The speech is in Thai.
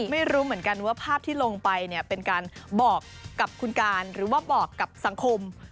ไม่รู้เหมือนกันว่าภาพที่ลงไปเนี่ยเป็นการบอกกับคุณการหรือว่าบอกกับสังคม